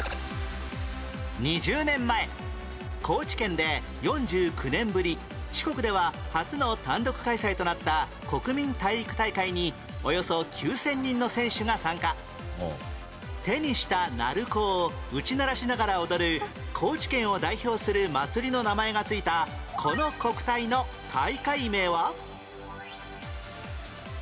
２０年前高知県で４９年ぶり四国では初の単独開催となった国民体育大会におよそ９０００人の選手が参加手にした鳴子を打ち鳴らしながら踊る高知県を代表する祭りの名前が付いたこの国体の大会名は？